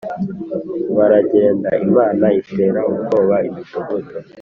Baragenda Imana itera ubwoba imidugudu